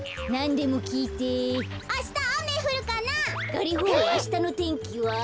ガリホあしたのてんきは？